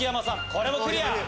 これもクリア！